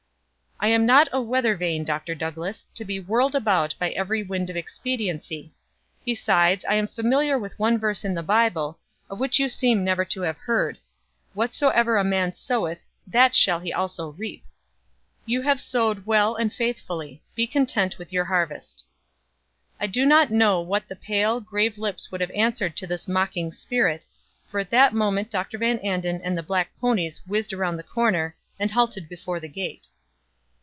"I am not a weather vane, Dr. Douglass, to be whirled about by every wind of expediency; besides I am familiar with one verse in the Bible, of which you seem never to have heard: Whatsoever a man soweth, that shall he also reap. You have sowed well and faithfully; be content with your harvest." I do not know what the pale, grave lips would have answered to this mocking spirit, for at that moment Dr. Van Anden and the black ponies whizzed around the corner, and halted before the gate.